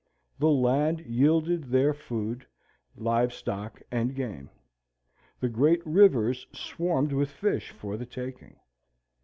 The land yielded their food, live stock, and game. The great rivers swarmed with fish for the taking.